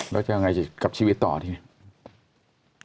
แล้วจะยังไงกลับชีวิตต่อที่นี่